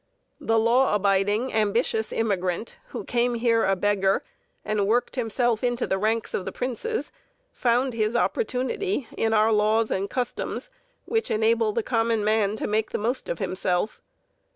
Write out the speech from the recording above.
The law abiding, ambitious immigrant who came here a beggar and worked himself into the ranks of the princes found his opportunity in our laws and customs, which enable the common man to make the most of himself.